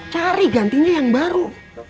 cari gantinya yang baru